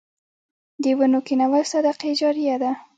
د ونو کینول صدقه جاریه ده